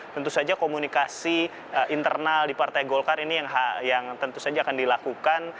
tentu saja komunikasi internal di partai golkar ini yang tentu saja akan dilakukan